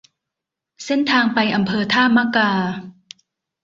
เส้นทางไปอำเภอท่ามะกา